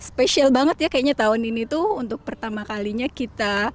spesial banget ya kayaknya tahun ini tuh untuk pertama kalinya kita